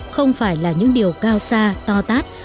không phải là những điều cao xa to tát